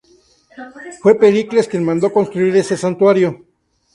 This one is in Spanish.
Fue Pericles quien mandó construir este santuario.